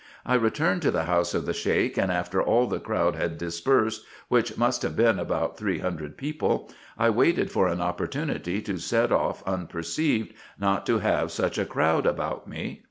I returned to the house of the Sheik, and after all the crowd had dispersed, which must have been about three hundred people, I waited for an opportunity to set off unperceived, not to have such a crowd about me.